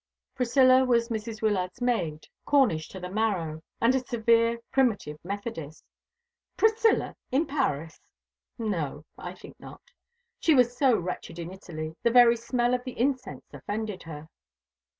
Priscilla was Mrs. Wyllard's maid, Cornish to the marrow, and a severe Primitive Methodist. "Priscilla in Paris? No, I think not. She was so wretched in Italy. The very smell of the incense offended her."